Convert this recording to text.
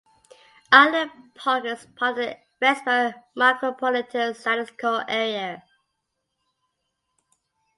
Island Park is part of the Rexburg Micropolitan Statistical Area.